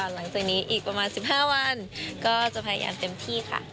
หลังจากนี้อีกประมาณ๑๕วันก็จะพยายามเต็มที่ค่ะ